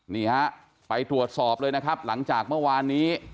นี่ฮะไปตรวจสอบเลยนะครับหลังจากเมื่อวานนี้